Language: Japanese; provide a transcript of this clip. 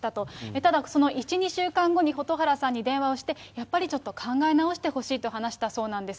ただ、その１、２週間後に蛍原さんに電話をして、やっぱりちょっと考え直してほしいと話したそうなんです。